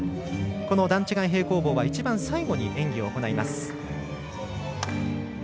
段違い平行棒は一番最後に演技を行います。